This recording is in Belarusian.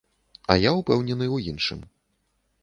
А я ўпэўнены ў іншым.